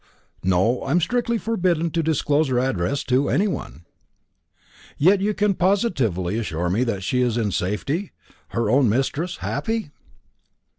"No; I am strictly forbidden to disclose her address to any one." "Yet you can positively assure me that she is in safety her own mistress happy?"